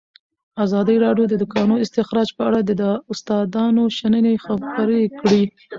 ازادي راډیو د د کانونو استخراج په اړه د استادانو شننې خپرې کړي.